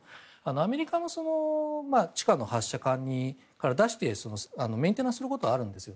アメリカも地下の発射管から出してメンテナンスのことがあるんですよ。